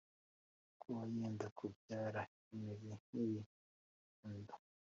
kuba yenda kubyara imeze nk’iri ku nda